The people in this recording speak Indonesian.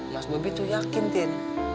mas bobby tuh yakin tin